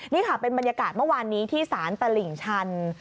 นี่ค่ะเป็นบรรยากาศเมื่อวานนี้ที่ศาลตลิ่งชัน